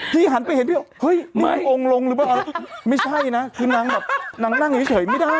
พี่หันไปเห็นพี่เฮ้ยนี่มีโองลงหรือเปล่าไม่ใช่นะคือนางแบบนางนั่งอย่างเงี้ยเฉยไม่ได้